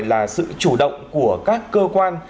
là sự chủ động của các cơ quan